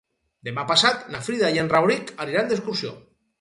Demà passat na Frida i en Rauric aniran d'excursió.